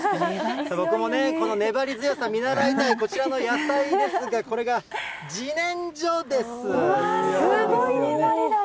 僕もね、この粘り強さ見習いたいこちらの野菜ですが、これがじねんじょですごい粘りだわ。